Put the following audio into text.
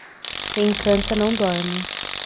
Quem canta não dorme